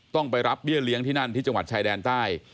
ต้องไปรับเบี้ยเลี้ยงที่นั่นที่จังหวัดชายแดนใต้